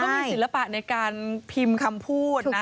มีศิลปะในการพิมพ์คำพูดนะ